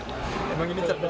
ini cerdas sekali